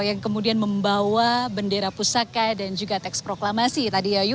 yang kemudian membawa bendera pusaka dan juga teks proklamasi tadi yayu